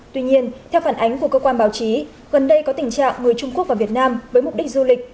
tuy nhiên theo phản ánh của cơ quan báo chí gần đây có tình trạng người trung quốc và việt nam với mục đích du lịch